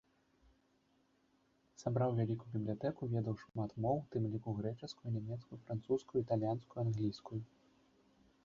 Сабраў вялікую бібліятэку, ведаў шмат моў, у тым ліку грэчаскую, нямецкую, французскую, італьянскую, англійскую.